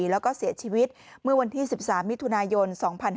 แล้วก็เสียชีวิตเมื่อวันที่๑๓มิถุนายน๒๕๕๙